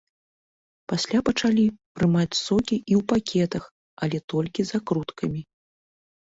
Пасля пачалі прымаць сокі і ў пакетах, але толькі з закруткамі.